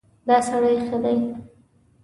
دا سړی ښه دی.